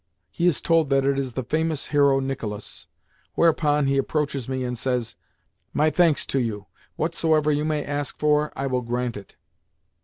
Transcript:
He is told that it is the famous hero Nicolas; whereupon he approaches me and says, "My thanks to you! Whatsoever you may ask for, I will grant it."